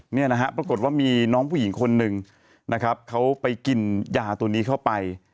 เนี่ยนะฮะปรากฏว่ามีน้องผู้หญิงคนหนึ่งนะครับเขาไปกินยาตัวนี้เข้าไป